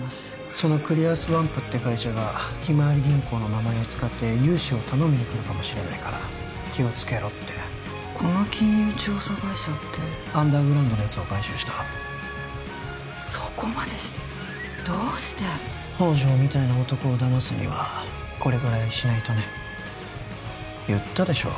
そのクリアスワンプって会社がひまわり銀行の名前を使って融資を頼みに来るかもしれないから気をつけろってこの金融調査会社ってアンダーグラウンドのやつを買収したそこまでしてどうして宝条みたいな男を騙すにはこれぐらいしないとね言ったでしょ